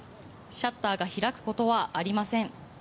シャッターが開くことはありません。